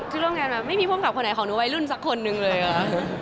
ที่ร่วมงานมาไม่มีภูมิกับคนไหนของหนูวัยรุ่นสักคนนึงเลยเหรอ